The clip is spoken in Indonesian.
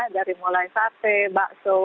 dari mulai sate bakso